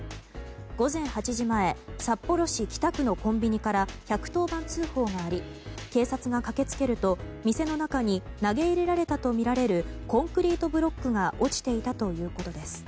午前８時前札幌市北区のコンビニから１１０番通報があり警察が駆け付けると店の中に投げ入れられたとみられるコンクリートブロックが落ちていたということです。